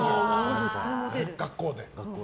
学校で。